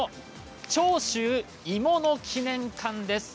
長州鋳物記念館です。